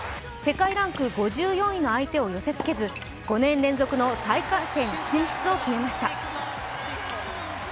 世界ランク５４位の相手を寄せつけず、５年連続の３回戦進出を決めました。